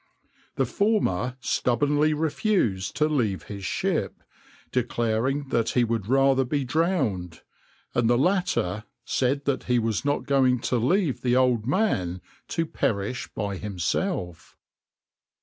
The former stubbornly refused to leave his ship, declaring that he would rather be drowned; and the latter said that he was not going to leave the old man to perish by himself.